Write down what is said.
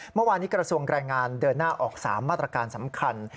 เมื่อวานี้กระทรวงแรงงานเดินหน้าออก๓มาตรการสำคัญ